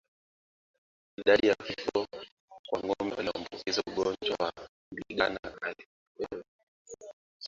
Idadi ya vifo kwa ngombe walioambukizwa ugonjwa wa ndigana kali